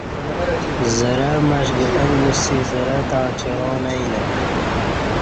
زرہ معش گٹنگ گوسی زرہ تاع چیراں نہ یینہ